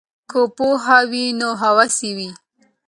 که پوهه وي نو هوس وي.